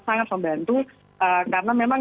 sangat membantu karena memang